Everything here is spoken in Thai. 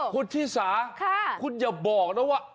คุณชิสาคุณอย่าบอกนะว่า